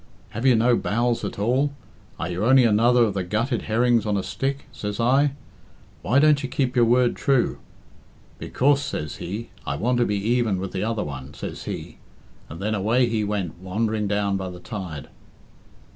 Have you no bowels at all? Are you only another of the gutted herrings on a stick?' says I. 'Why don't you keep your word true?' 'Because,' says he, 'I want to be even with the other one,' says he, and then away he went wandering down by the tide."